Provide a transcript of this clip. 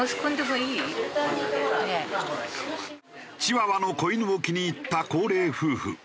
チワワの子犬を気に入った高齢夫婦。